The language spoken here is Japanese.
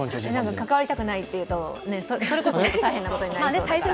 関わりたくないと言うと、それこそ大変になりそうな。